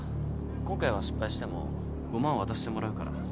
今回は失敗しても５万渡してもらうから。